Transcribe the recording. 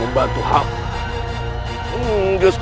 amboing akan mengikuti perintah resi